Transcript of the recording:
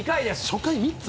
初回、３つ？